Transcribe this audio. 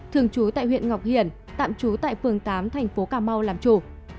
thường trú tại huyện ngọc hiển tạm trú tại phường tám thành phố cà mau làm chủ